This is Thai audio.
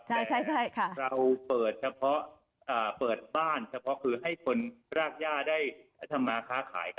แต่เราเปิดบ้านเฉพาะให้คนรากย่าได้ทำมาค้าขายกัน